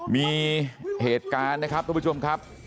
มีเหตุการณ์นะครับทุกผู้ชมครับ